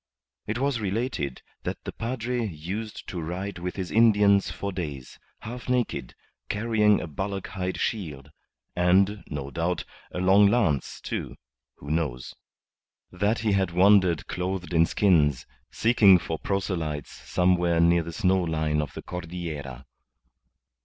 It was related that the padre used to ride with his Indians for days, half naked, carrying a bullock hide shield, and, no doubt, a long lance, too who knows? That he had wandered clothed in skins, seeking for proselytes somewhere near the snow line of the Cordillera.